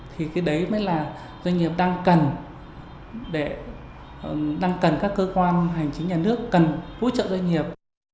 thì cái đấy mới là doanh nghiệp đang cần các cơ quan hành chính nhà nước cần hỗ trợ doanh nghiệp